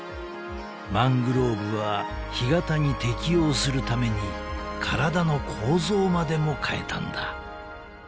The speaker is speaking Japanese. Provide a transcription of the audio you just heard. ［マングローブは干潟に適応するために体の構造までも変えたんだ］